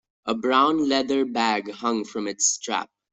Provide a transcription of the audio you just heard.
A brown leather bag hung from its strap.